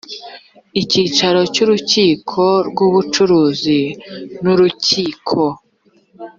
icyicaro cy urukiko rw ubucuruzi n urukiko